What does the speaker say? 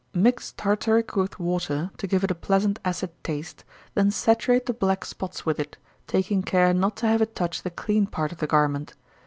_ Mix tartaric with water, to give it a pleasant acid taste, then saturate the black spots with it, taking care not to have it touch the clean part of the garment.